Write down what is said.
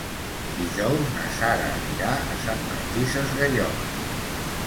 Dijous na Sara anirà a Sant Martí Sesgueioles.